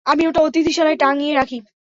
আমি ওটা অতিথিশালায় টাঙিয়ে রাখি।